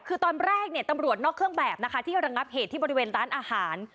คือตอนแรกเนี่ยตำรวจนอกเครื่องแบบนะคะที่ระงับเหตุที่บริเวณร้านอาหาร